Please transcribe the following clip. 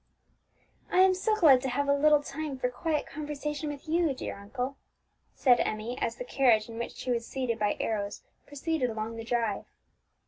"I am so glad to have a little time for quiet conversation with you, dear uncle," said Emmie, as the carriage in which she was seated beside Arrows proceeded along the drive.